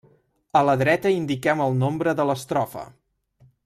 A la dreta indiquem el nombre de l'estrofa.